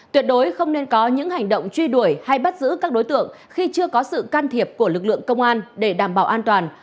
tuyệt đối không nên có những hành động truy đuổi hay bắt giữ các đối tượng khi chưa có sự can thiệp của lực lượng công an để đảm bảo an toàn